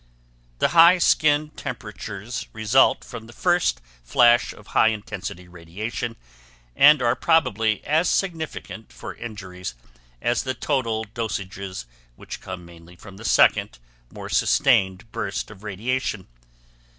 The high skin temperatures result from the first flash of high intensity radiation and are probably as significant for injuries as the total dosages which come mainly from the second more sustained burst of radiation.